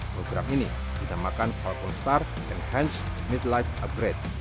program ini dinamakan falcon star enhanced midlife upgrade